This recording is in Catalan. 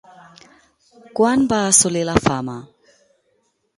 Quan va assolir la fama?